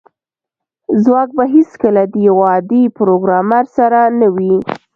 ځواک به هیڅکله د یو عادي پروګرامر سره نه وي